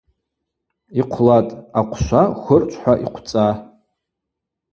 Йхъвлатӏ, ахъвшва хвырчвхӏва йхъвцӏа.